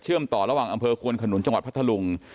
ต่อระหว่างอำเภอควนขนุนจังหวัดพัทธลุง